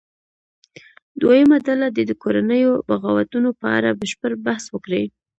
دویمه ډله دې د کورنیو بغاوتونو په اړه بشپړ بحث وکړي.